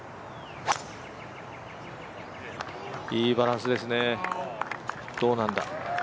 いいバランスですね、どうなんだ？